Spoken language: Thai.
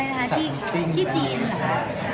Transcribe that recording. อเรนนี่คือที่จีนอะไรคะ